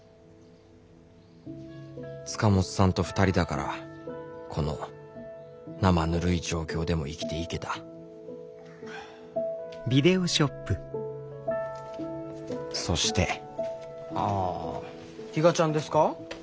塚本さんと２人だからこのなまぬるい状況でも生きていけたそしてあ比嘉ちゃんですか？